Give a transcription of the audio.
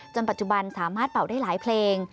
ปัจจุบันสามารถเป่าได้หลายเพลง